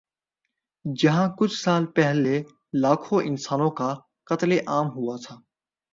جہاں کچھ سال پہلے لاکھوں انسانوں کا قتل عام ہوا تھا۔